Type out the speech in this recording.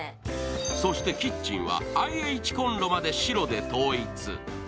そしてキッチンはＩＨコンロまで白で統一。